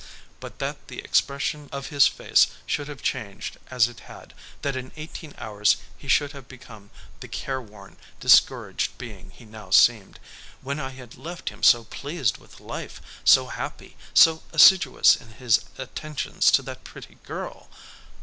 But that the expression of his face should have changed as it had, that in eighteen hours he should have become the careworn, discouraged being he now seemed, when I had left him so pleased with life, so happy, so assiduous in his attentions to that pretty girl.